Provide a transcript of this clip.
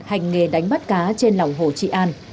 hành nghề đánh bắt cá trên lòng hồ trị an